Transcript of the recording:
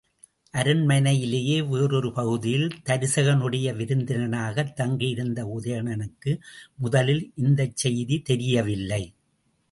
அரண்மனையிலேயே வேறொரு பகுதியில் தருசகனுடைய விருந்தினனாகத் தங்கியிருந்த உதயணனுக்கு முதலில் இந்தச் செய்தி தெரியவில்லை.